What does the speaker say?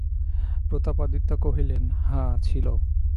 প্রতাপাদিত্য কহিলেন, হাঁ ছিল।